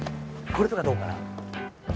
これとかどうかな？